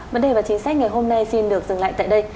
vấn đề và chính sách ngày hôm nay xin được dừng lại tại đây